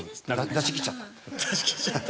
出し切っちゃった。